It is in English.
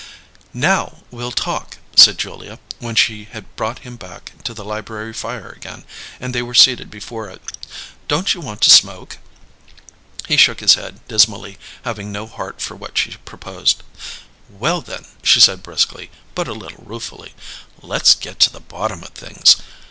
"Now we'll talk!" said Julia, when she had brought him back to the library fire again, and they were seated before it. "Don't you want to smoke?" He shook his head dismally, having no heart for what she proposed. "Well, then," she said briskly, but a little ruefully, "let's get to the bottom of things.